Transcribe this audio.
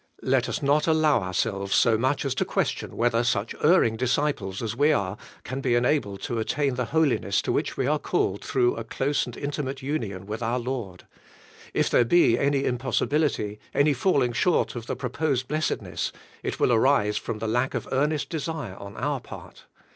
Let us not alloiu ourselves so much as to question whether such erring disciples as we are can le enalled to attain the holiness to which we are called through a close and intimate union with our Lord. If there be any impossibility, any falling short of the proposed blessedness, it will arise from the lack of earnest de sire on our part.